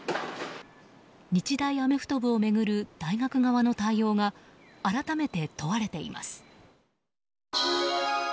日大アメフト部を巡る大学側の対応が改めて問われています。